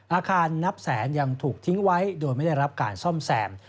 อาคารนับแสนยังถูกทิ้งไว้โดยไม่ได้รับการซ่อมแซม